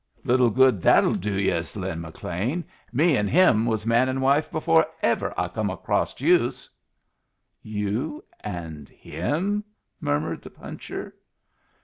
"Little good that'll do yus, Lin McLean! Me and him was man and wife before ever I come acrosst yus." "You and him?" murmured the puncher.